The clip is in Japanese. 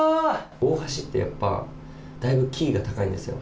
大橋ってやっぱ、だいぶキーが高いんですよ。